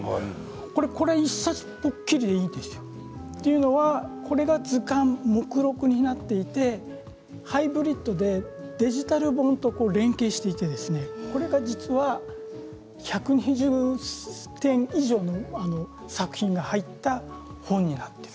これは、これ１冊ぽっきりでいいんですよ。というのはこれが図鑑、目録になっていてハイブリッドでデジタル本と連携していて実は１２０点以上の作品が入った本になっている。